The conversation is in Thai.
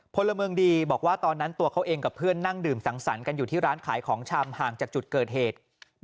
พลเมืองดีบอกว่าตอนนั้นตัวเขาเองกับเพื่อนนั่งดื่มสังสรรค์กันอยู่ที่ร้านขายของชำห่างจากจุดเกิดเหตุ